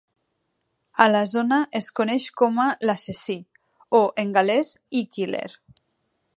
A la zona es coneix com a "L'assassí" o, en galès "Y Killer".